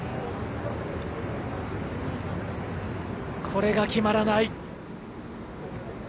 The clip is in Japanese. これが決まらない。